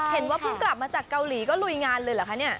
เห็นว่าเพิ่งกลับมาจากเกาหลีก็ลุยงานเลยเหรอคะเนี่ย